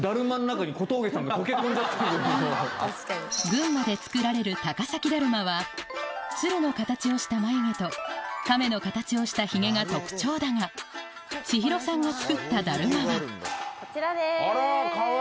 群馬で作られる高崎だるまは鶴の形をした眉毛と亀の形をしたヒゲが特徴だが千尋さんが作っただるまはこちらです。